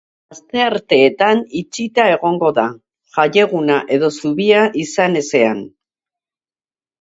Astearteetan itxita egongo da, jaieguna edo zubia izan ezean.